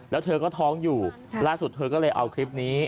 แล้วเธอก็ท้องอยู่ล่าสุดเธอก็เลยเอาคลิปนี้